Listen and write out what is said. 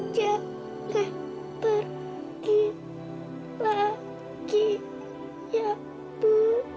jangan berhenti lagi ya bu